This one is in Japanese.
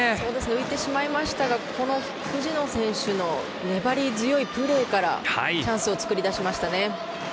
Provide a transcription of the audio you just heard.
浮いてしまいましたが、藤野選手の粘り強いプレーからチャンスを作り出しましたね。